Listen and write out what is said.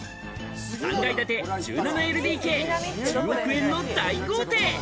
３階建て１７ＬＤＫ、１０億円の大豪邸。